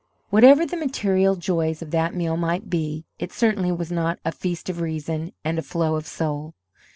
Whatever the material joys of that meal might be, it certainly was not "a feast of reason and a flow of soul."